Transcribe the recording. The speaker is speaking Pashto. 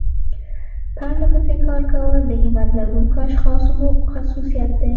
پرلپسې کار کول د همت لرونکو اشخاصو خصوصيت دی.